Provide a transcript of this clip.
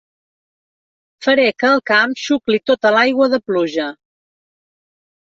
Faré que el camp xucli tota l'aigua de pluja.